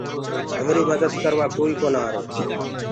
همري مدد ڪروآ ڪوئي ڪونآ آرو۔